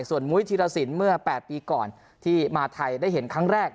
ส่วนมุ้ยธีรสินเมื่อ๘ปีก่อนที่มาไทยได้เห็นครั้งแรก